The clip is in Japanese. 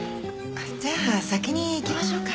じゃあ先に行きましょうか。